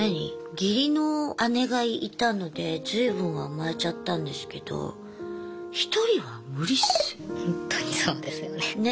義理の姉がいたので随分甘えちゃったんですけどほんとにそうですよね。ね。